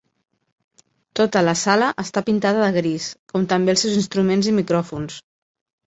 Tota la sala està pintada de gris, com també els seus instruments i micròfons.